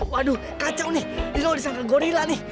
waduh kacau nih lino disangka gorilla nih